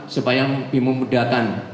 supaya lebih mudah